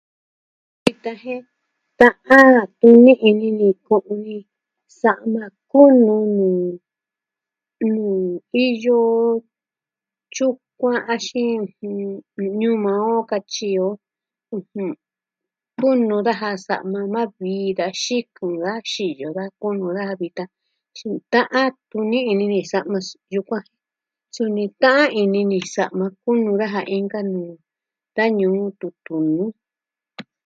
Vitan jen ta'an tuni ini ni koo u sa'ma kunu nuu iyo tyukua axin, ñuu maa katyi o tun noo daja sa'ma ma vii da xiko, da xiyo, da koo daja vitan. Suu ta'an tu ni'i ini sa'ma yukuan. Suni ta'an ini ni sa'ma. }Kunu daja inka nuu da Ñuu Tutunuu.